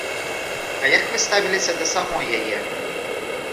А як вы ставіліся да самой яе?